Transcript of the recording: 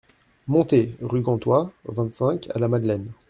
Monté, rue Gantois, vingt-cinq, à La Madeleine.